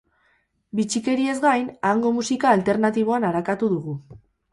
Bitxikeriez gain, hango musika alternatiboan arakatu dugu.